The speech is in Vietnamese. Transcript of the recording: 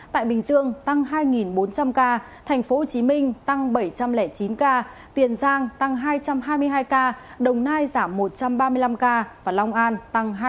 tại bình dương tăng hai bốn trăm linh ca tp hcm tăng bảy trăm linh chín ca tiền giang tăng hai trăm hai mươi hai ca đồng nai giảm một trăm ba mươi năm ca và long an tăng hai